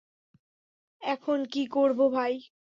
এখন কি করব, ভাই?